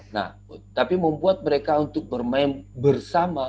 nah tapi membuat mereka untuk bermain bersama